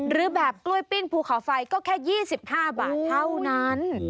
หรือแบบกล้วยปิ้งภูเขาไฟก็แค่๒๕บาทเท่านั้น